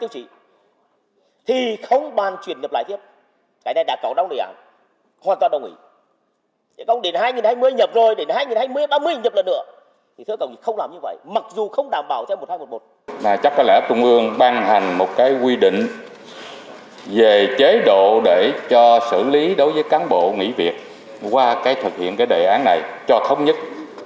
chắc có lẽ trung ương ban hành một quy định về chế độ để cho xử lý đối với cán bộ nghỉ việc qua thực hiện đề án này cho thống nhất